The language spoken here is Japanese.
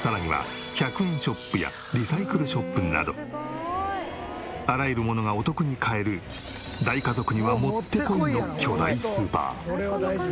さらには１００円ショップやリサイクルショップなどあらゆるものがお得に買える大家族にはもってこいの巨大スーパー。